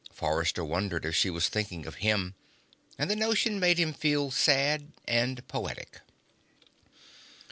Forrester wondered if she was thinking of him, and the notion made him feel sad and poetic.